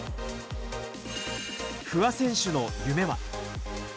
不破選手の夢は。